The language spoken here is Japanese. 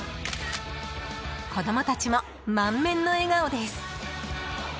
子供たちも満面の笑顔です。